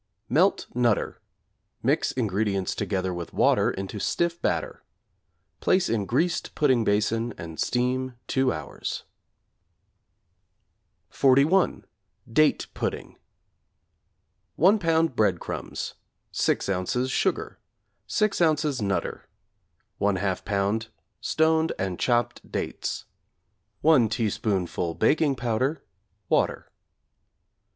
Melt 'Nutter,' mix ingredients together with water into stiff batter; place in greased pudding basin and steam 2 hours. =31. Date Pudding= 1 lb. breadcrumbs, 6 ozs. sugar, 6 ozs. 'Nutter,' 1/2 lb. stoned and chopped dates, 1 teaspoonful baking powder, water.